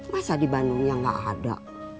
masa di bandungnya gak ada